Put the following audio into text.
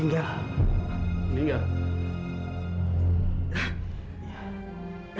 dia sudah meninggal